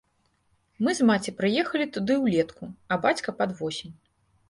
Мы з маці прыехалі туды ўлетку, а бацька пад восень.